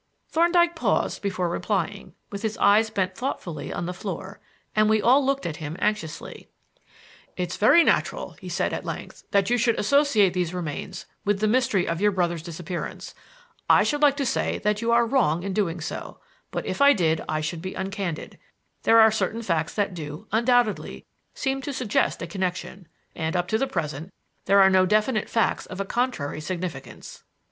Thorndyke paused before replying, with his eyes bent thoughtfully on the floor, and we all looked at him anxiously. "It's very natural," he said at length, "that you should associate these remains with the mystery of your brother's disappearance. I should like to say that you are wrong in doing so, but if I did I should be uncandid. There are certain facts that do, undoubtedly, seem to suggest a connection, and, up to the present, there are no definite facts of a contrary significance."